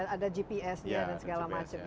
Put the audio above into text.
ada gps nya dan segala macam